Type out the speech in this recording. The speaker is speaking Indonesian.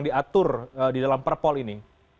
diatur di dalam perpol ini